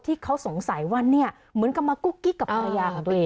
ที่เขาสงสัยว่าเนี่ยเหมือนกับมากุ๊กกิ๊กกับภรรยาของตัวเอง